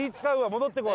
戻ってこい。